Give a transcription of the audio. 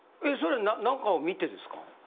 それ何かを見てですか？